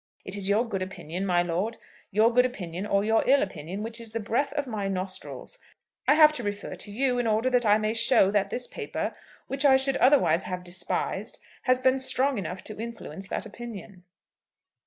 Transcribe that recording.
It is your good opinion, my lord, your good opinion or your ill opinion which is the breath of my nostrils. I have to refer to you in order that I may show that this paper, which I should otherwise have despised, has been strong enough to influence that opinion."